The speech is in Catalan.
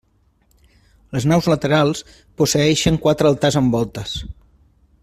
Les naus laterals posseeixen quatre altars amb voltes.